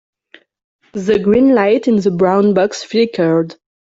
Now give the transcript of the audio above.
The green light in the brown box flickered.